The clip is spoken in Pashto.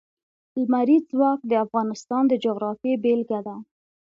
لمریز ځواک د افغانستان د جغرافیې بېلګه ده.